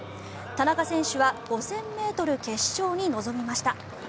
田中選手は５０００ｍ決勝に臨みました。